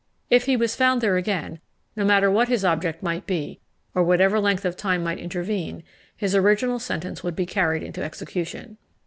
If he was found there again, no matter what his object might be, or whatever length of time might intervene, his original sentence would be carried into execution.